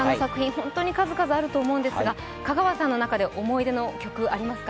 本当に数々ありますが香川さんの中で思い出の曲、ありますか？